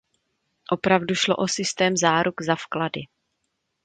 Opravdu šlo o systém záruk za vklady.